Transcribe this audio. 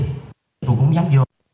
tôi cũng dám vô